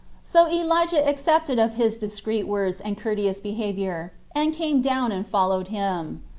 So Elijah accepted of his discreet words and courteous behavior, and came down and followed him.